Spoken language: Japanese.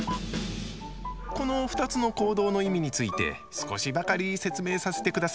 この２つの行動の意味について少しばかり説明させてください。